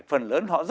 phần lớn họ rất nhiều